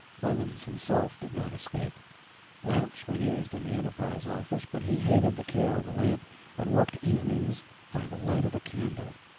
Clemens himself did not escape. Lamps were used in the "Enterprise" office, but he hated the care of a lamp, and worked evenings by the light of a candle.